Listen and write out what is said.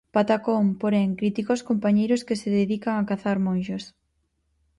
Patacón, porén, critica os compañeiros que se dedican a cazar monxas.